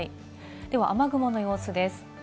では雨雲の様子です。